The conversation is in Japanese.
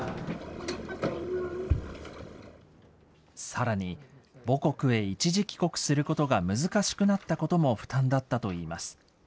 さらに、母国へ一時帰国することが難しくなったことも負担だったといいます。